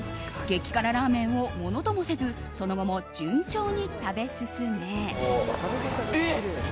激辛ラーメンをものともせずその後も順調に食べ進め。